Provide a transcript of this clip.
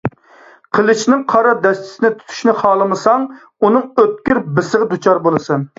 قىلىچنىڭ قارا دەستىسىنى تۇتۇشنى خالىمىساڭ، ئۇنىڭ ئۆتكۈر بىسىغا دۇچار بولىسەن!